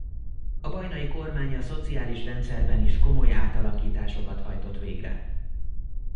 A Bajnai-kormány a szociális rendszerben is komoly átalakításokat hajtott végre.